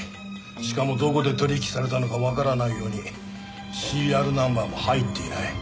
しかもどこで取引されたのかわからないようにシリアルナンバーも入っていない。